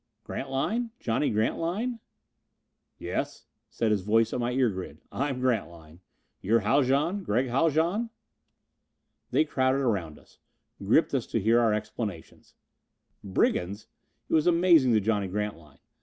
"Grantline? Johnny Grantline?" "Yes," said his voice at my ear grid. "I'm Grantline. You're Haljan? Gregg Haljan?" They crowded around us. Gripped us to hear our explanations. Brigands! It was amazing to Johnny Grantline.